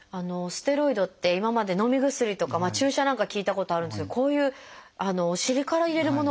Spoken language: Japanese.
ステロイドって今までのみ薬とか注射なんかは聞いたことあるんですけどこういうお尻から入れるものがあるんですね。